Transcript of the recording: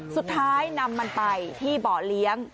สุดท้ายนำมันไปที่เบาะเลี้ยง